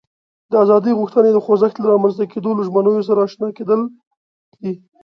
د ازادي غوښتنې د خوځښت له رامنځته کېدو له ژمینو سره آشنا کېدل دي.